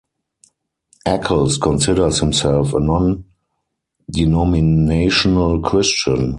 Ackles considers himself a non-denominational Christian.